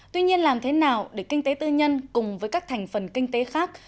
tuy nhiên làm thế nào để kinh tế tư nhân cùng với các thành phần kinh tế khác